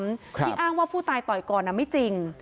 ที่อ้างว่าผู้ตายต่อยก่อนไม่จริง